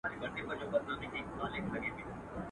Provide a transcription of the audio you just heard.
په اول د پسرلي کي د خزان استازی راغی.